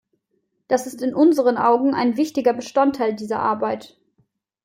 Das ist in unseren Augen ein wichtiger Bestandteil dieser Arbeit.